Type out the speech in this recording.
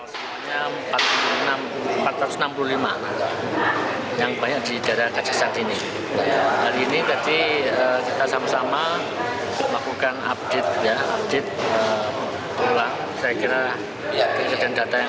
setelah itu nanti kita akan bantu materialnya